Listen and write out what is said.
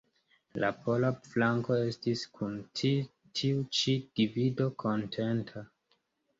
La pola flanko estis kun tiu ĉi divido kontenta.